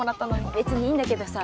別にいいんだけどさ。